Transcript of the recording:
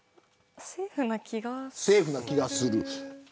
セーフな気がする。